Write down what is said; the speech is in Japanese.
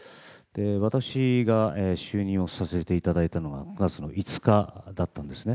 私が就任させていただいたのが９月の５日だったんですね。